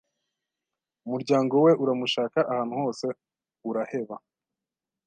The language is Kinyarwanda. umuryango we uramushaka ahantu hose uraheba.